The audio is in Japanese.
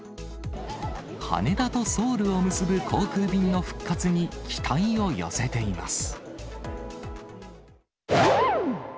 羽田とソウルを結ぶ航空便の復活に期待を寄せています。